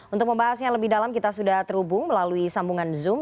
untuk membahasnya lebih dalam kita sudah terhubung melalui sambungan zoom